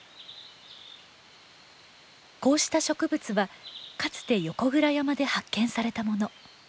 こうした植物はかつて横倉山で発見されたもの。